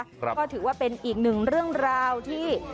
ก็ถือว่าเป็นอีกหนึ่งเรื่องราวที่